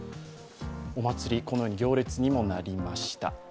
お祭り、このように行列にもなりました。